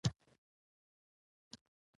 د تولګي بي نظمي د تدريس لپاره خنډونه رامنځته کوي،